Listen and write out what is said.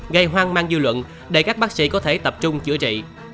gây hoang mang dư luận để các bác sĩ có thể tập trung chữa trị